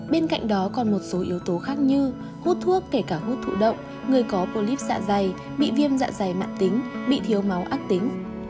bên cạnh đó còn một số yếu tố khác như hút thuốc kể cả hút thụ động người có polyp dạ dày bị viêm dạ dày mạng tính bị thiếu máu ác tính